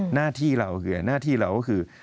หน้าที่เราก็คือ